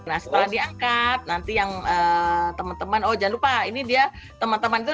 nah setelah diangkat nanti yang teman teman oh jangan lupa ini dia teman teman itu